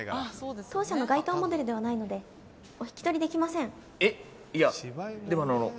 当社の該当モデルではないのでお引き取りできません。